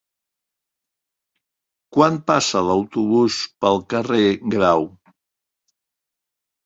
Quan passa l'autobús pel carrer Grau?